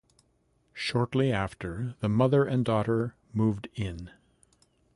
Shortly after, the mother and daughter moved in.